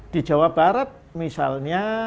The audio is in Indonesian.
di jawa barat misalnya